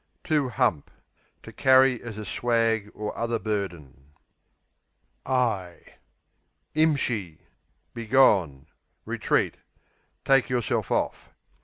Hump, to To carry as a swag or other burden. Imshee Begone; retreat; to take yourself off.